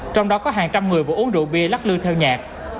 trong đó có hàng trăm người vừa uống rượu bia lắc lư theo nhạc